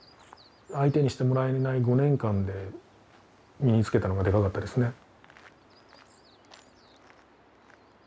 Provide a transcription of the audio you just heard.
相手にしてもらえない５年間で身につけたのがでかかったですね。